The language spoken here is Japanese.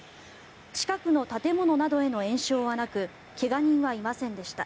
近くの建物などへの延焼はなく怪我人はいませんでした。